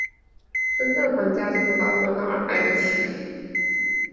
深圳房价这么高，我哪儿买得起？